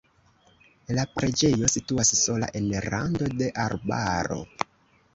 La preĝejo situas sola en rando de arbaro.